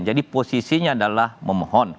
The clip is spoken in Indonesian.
jadi posisinya adalah memohon